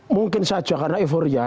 mungkin saja karena euforia